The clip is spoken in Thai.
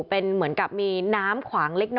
เป็นเหมือนกับมีน้ำขวางเล็กน้อย